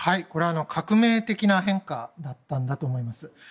これ、革命的な変化だったんだと思います。